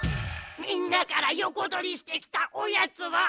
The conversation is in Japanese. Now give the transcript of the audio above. みんなからよこどりしてきたおやつはおいしいなあ！